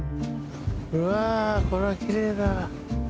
うわぁこれはきれいだ。